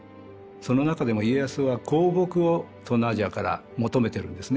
その中でも家康は香木を東南アジアから求めてるんですね。